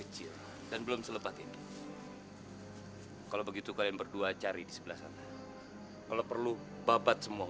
jangan lupa untuk berikan dukungan di kolom komentar